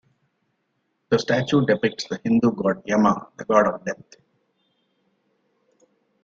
The statue depicts the Hindu god Yama, the god of death.